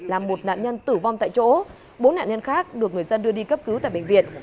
làm một nạn nhân tử vong tại chỗ bốn nạn nhân khác được người dân đưa đi cấp cứu tại bệnh viện